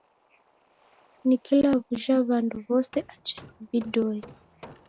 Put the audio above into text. Nakila w'uja w'andu w'ose aja ni vidoi.